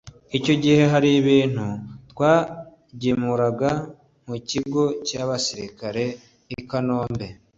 icyo gihe hari ibintu twagemuraga mu kigo cy’abasirikare i Kanombe